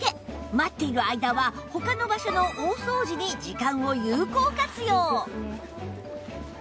待っている間は他の場所の大掃除に時間を有効活用